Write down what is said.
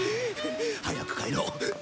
早く帰ろう。